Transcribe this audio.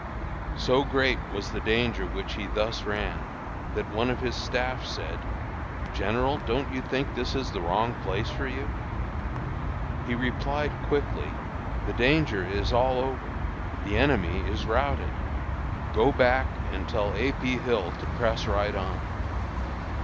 "So great was the danger which he thus ran, that one of his staff said: 'General, don't you think this is the wrong place for you?' He replied quickly: 'The danger is all over; the enemy is routed. Go back, and tell A. P. Hill to press right on.'